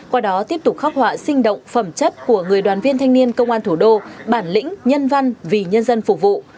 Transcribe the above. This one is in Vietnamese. qua đó tiếp tục khắc họa sinh động phẩm chất của người đoàn viên thanh niên công an thủ đô bản lĩnh nhân văn vì nhân dân phục vụ